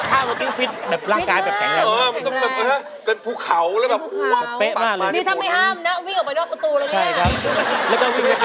อันเจฮีอักกาบิตฮาเซฮิโชบุรีฮาเซฮิโชโมทาเล